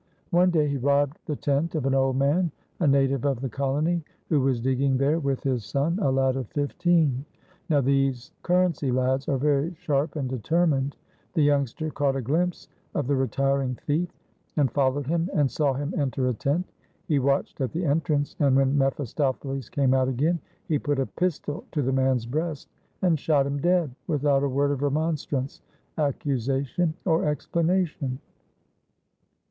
One day he robbed the tent of an old man, a native of the colony, who was digging there with his son, a lad of fifteen. Now these currency lads are very sharp and determined. The youngster caught a glimpse of the retiring thief and followed him and saw him enter a tent. He watched at the entrance, and when mephistopheles came out again, he put a pistol to the man's breast and shot him dead without a word of remonstrance, accusation or explanation.